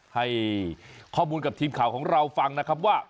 ให้ข้อมูลกับทีมข่าวของเราฟังนะครับว่า